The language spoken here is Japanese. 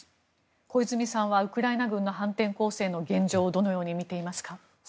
小泉さんはウクライナ軍の反転攻勢の現状をどのように見ていますか？